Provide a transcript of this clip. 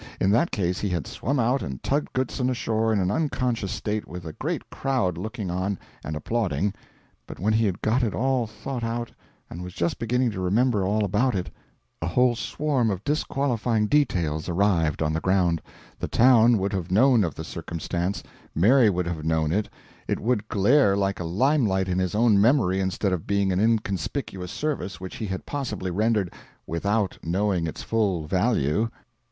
In that case he had swum out and tugged Goodson ashore in an unconscious state with a great crowd looking on and applauding, but when he had got it all thought out and was just beginning to remember all about it, a whole swarm of disqualifying details arrived on the ground: the town would have known of the circumstance, Mary would have known of it, it would glare like a limelight in his own memory instead of being an inconspicuous service which he had possibly rendered "without knowing its full value."